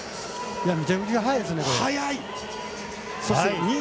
めちゃくちゃ速いですね。